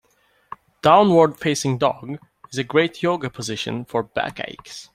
Downward facing dog is a great Yoga position for back aches.